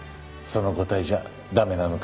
その答えじゃ駄目なのか？